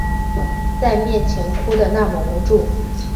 在面前哭的那么无助